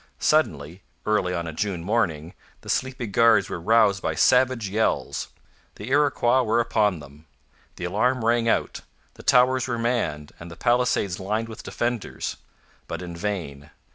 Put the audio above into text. Suddenly, early on a June morning, the sleepy guards were roused by savage yells. The Iroquois were upon them. The alarm rang out; the towers were manned, and the palisades lined with defenders. But in vain.